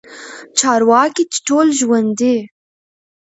چارواکي چې ټول ژوندي